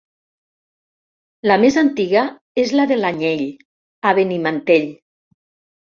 La més antiga és la de l'Anyell, a Benimantell.